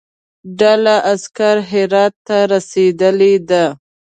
ډله عسکر هرات ته رسېدلی دي.